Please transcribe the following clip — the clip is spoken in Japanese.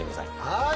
はい。